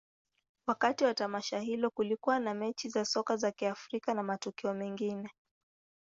Wakati wa tamasha hilo, kulikuwa na mechi za soka za kirafiki na matukio mengine.